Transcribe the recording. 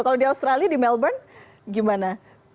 kalau di australia di melbourne gimana